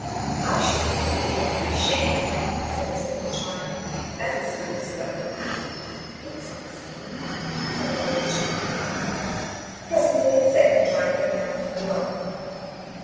*1 should think you would be ashamed," said the second child. 'That is Widow Slocum.*' 'It's all the same," said the first child. Presently the second child got down from the log.